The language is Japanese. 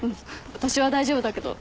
私は大丈夫だけど。